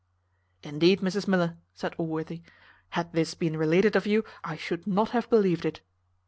"Indeed, Mrs Miller," said Allworthy, "had this been related of you, I should not have believed it."